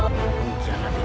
kau sudah melihat hatiku